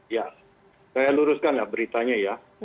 ya saya luruskan lah beritanya ya